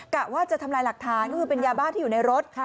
กะว่าจะทำลายหลักฐานก็คือเป็นยาบ้าที่อยู่ในรถ